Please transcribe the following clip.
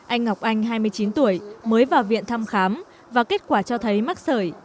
anh ngọc anh hai mươi chín tuổi mới vào viện thăm khám và kết quả cho thấy mắc sởi